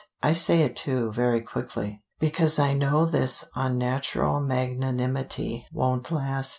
I say it too, very quickly, because I know this unnatural magnanimity won't last.